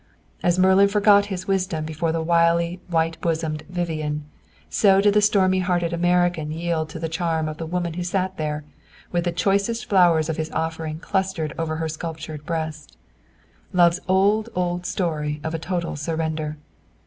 As Merlin forgot his wisdom before the wily white bosomed Vivien, so did the stormy hearted American yield to the charm of the woman who sat there, with the choicest flowers of his offering clustered over her sculptured breast. Love's old, old story of a total surrender.